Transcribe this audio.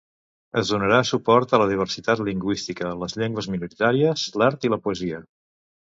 Es donarà suport a la diversitat lingüística, les llengües minoritàries, l'art i la poesia.